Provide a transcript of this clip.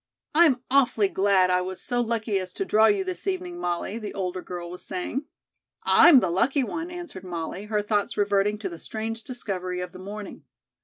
"I'm awfully glad I was so lucky as to draw you this evening, Molly," the older girl was saying. "I'm the lucky one," answered Molly, her thoughts reverting to the strange discovery of the morning.